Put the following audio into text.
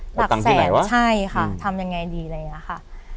หลักแสนใช่ค่ะทำยังไงดีอะไรอย่างนี้ค่ะ